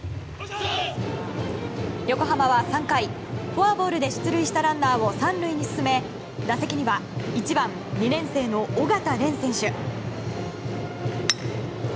横浜は３回、フォアボールで出塁したランナーを３塁に進め、打席には１番２年生の緒方漣選手。